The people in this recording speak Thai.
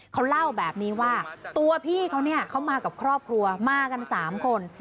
เขาเล่าแบบนี้ว่าตัวพี่เขาเนี่ยเขามากับครอบครัวมากัน๓คน